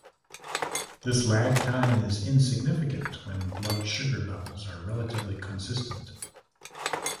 This lag time is insignificant when blood sugar levels are relatively consistent.